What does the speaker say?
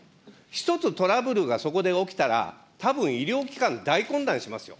１つトラブルがそこで起きたら、たぶん医療機関、大混乱しますよ。